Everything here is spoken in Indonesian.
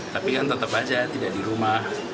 tapi kan tetap saja tidak di rumah